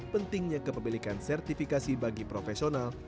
pentingnya kepemilikan sertifikasi bagi profesional